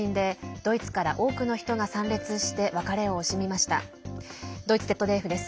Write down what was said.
ドイツＺＤＦです。